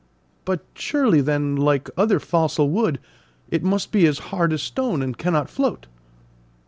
"But surely, then, like other fossil wood, it must be as hard as stone, and cannot float?"